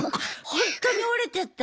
ほんとに折れちゃった。